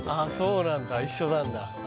そうなんだ一緒なんだ